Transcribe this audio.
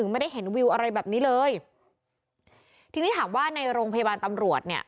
ไม่ได้เห็นวิวอะไรแบบนี้เลยทีนี้ถามว่าในโรงพยาบาลตำรวจเนี่ย